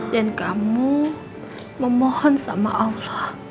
dan kamu memohon sama allah